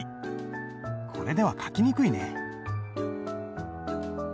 これでは書きにくいね。